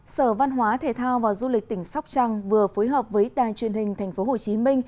sở văn hóa thể thao và du lịch tỉnh sóc trăng vừa phối hợp với đài truyền hình tp hcm